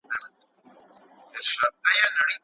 که امبولانس وي نو مریض نه ضایع کیږي.